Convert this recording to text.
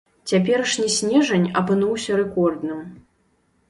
Цяперашні снежань апынуўся рэкордным.